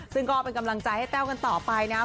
ซึ่งก็เป็นกำลังใจให้แต้วกันต่อไปนะครับ